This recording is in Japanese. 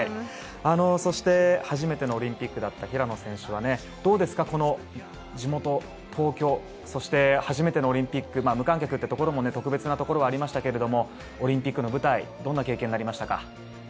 そして初めてのオリンピックだった平野選手はどうですか、地元・東京そして初めてのオリンピック無観客というところも特別なところもありましたけどオリンピックの舞台どんな経験になりましたか？